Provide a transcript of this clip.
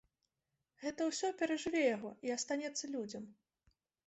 Гэта ўсё перажыве яго і астанецца людзям.